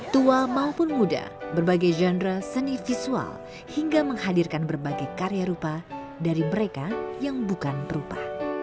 tua maupun muda berbagai genre seni visual hingga menghadirkan berbagai karya rupa dari mereka yang bukan rupa